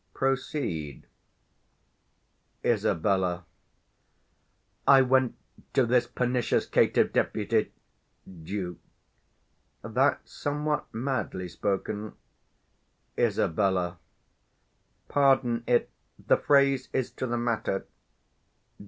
Proceed. Isab. I went To this pernicious caitiff Deputy, Duke. That's somewhat madly spoken. Isab. Pardon it; The phrase is to the matter.